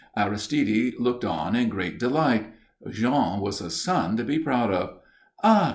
Aristide looked on in great delight. Jean was a son to be proud of. "_Ah!